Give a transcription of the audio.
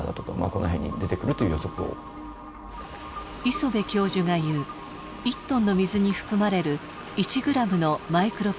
磯辺教授が言う１トンの水に含まれる１グラムのマイクロプラスチック。